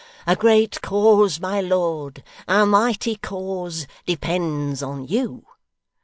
A great cause, my lord, a mighty cause, depends on you.